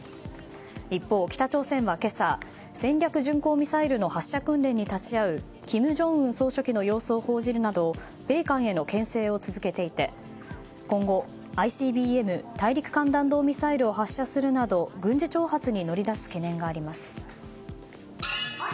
一方、北朝鮮は今朝戦略巡航ミサイルの発射訓練に立ち会う金正恩総書記の様子を報じるなど米韓への牽制を続けていて今後、ＩＣＢＭ・大陸間弾道ミサイルを発射するなど、軍事挑発に乗り出す懸念があります。